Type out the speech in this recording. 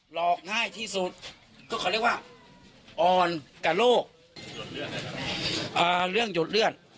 อกง่ายที่สุดก็เขาเรียกว่าอ่อนกับโลกเรื่องหยดเลื่อน